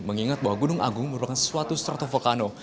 mengingat bahwa gunung agung merupakan suatu stratofokano